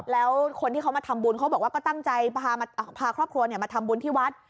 แล้วคนที่เขามาทำบุญเขาบอกว่าก็ตั้งใจพาครอบครัวมาทำบุญที่วัด